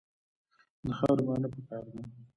د خاورې معاینه پکار ده.